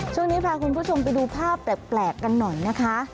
ช่วงนี้พาคุณผู้ชมไปดูภาพแปลกกันหน่อยนะคะ